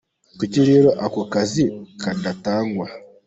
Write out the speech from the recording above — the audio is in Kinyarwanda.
Kuki rero ako kazi kadatangwa ?